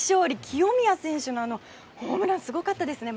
清宮選手のホームランすごかったですね